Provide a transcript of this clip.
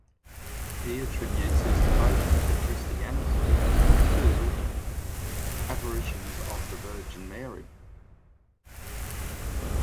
He attributes his devotion to Christianity to apparitions of the Virgin Mary.